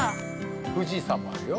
富士山もあるよ。